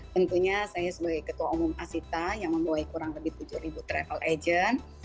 tentunya saya sebagai ketua umum asita yang membawai kurang lebih tujuh travel agent